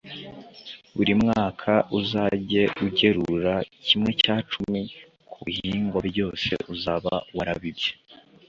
buri mwaka uzajye ugerura kimwe cya cumi ku bihingwa byose uzaba warabibye,